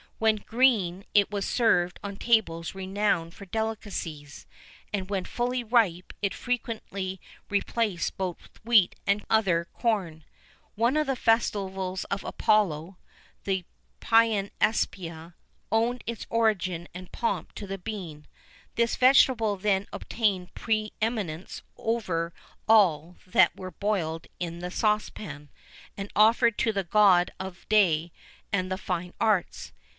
When green, it was served on tables renowned for delicacies; and, when fully ripe, it frequently replaced both wheat and other corn.[VIII 7] One of the festivals of Apollo the Pyanepsia owed its origin and pomp to the bean. This vegetable then obtained preeminence over all that were boiled in the saucepan, and offered to the God of Day and the Fine Arts.